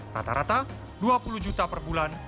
rata rata dua puluh juta per bulan